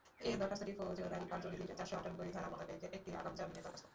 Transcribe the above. এ দরখাস্তটি ফৌজদারী কার্যবিধির চারশো আটানব্বই ধারা মোতাবেক একটি আগাম জামিনের দরখাস্ত।